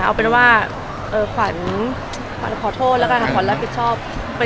เอาเป็นว่าขวัญขวัญขอโทษแล้วกันค่ะขวัญรับผิดชอบ